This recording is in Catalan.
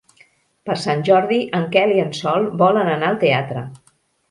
Per Sant Jordi en Quel i en Sol volen anar al teatre.